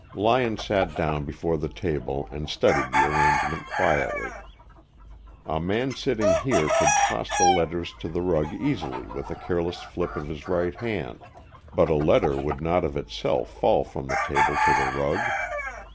Lyon sat down before the table and studied the arrangement quietly. A man sitting here could toss the letters to the rug easily with a careless flip of his right hand, but a letter would not of itself fall from the table to the rug.